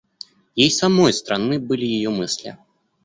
Ей самой странны были ее мысли.